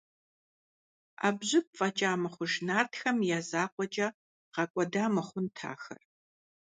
Ӏэбжьыб фӀэкӀа мыхъуж нартхэм я закъуэкӀэ гъэкӀуэда мыхъунт ахэр.